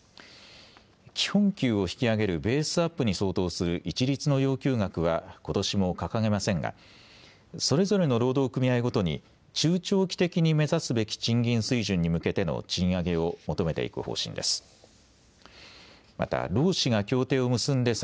基本給を引き上げるベースアップに相当する一律の要求額はことしも掲げませんがそれぞれの労働組合ごとに中長期的に目指すべき賃金水準に向けての賃上げを求めていく方針です。